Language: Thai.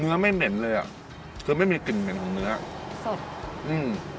ไม่เหม็นเลยอ่ะคือไม่มีกลิ่นเหม็นของเนื้อสดอืม